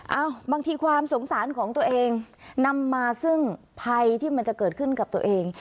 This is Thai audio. บางทีความสงสารของตัวเองนำมาซึ่งภัยที่มันจะเกิดขึ้นกับตัวเอง